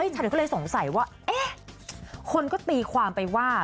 ฉันก็เลยสงสัยว่าเอ๊ะคนก็ตีความไปว่า